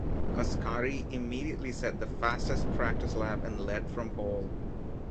Ascari immediately set the fastest practice lap and led from pole.